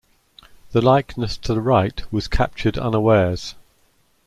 The likeness to the right was captured unawares.